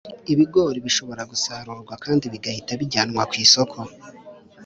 Ibogori bishobora gusarurwa kandi bigahita bijyanwa kw’isoko